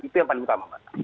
itu yang paling utama